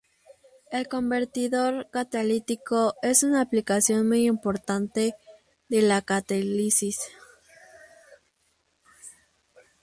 El convertidor catalítico es una aplicación muy importante de la catálisis.